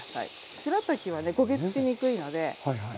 しらたきはね焦げつきにくいので。